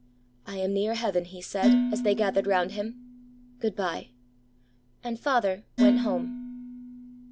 "I am very near heaven," he said, as they gathered round him, "Good bye!" And "father" went Home.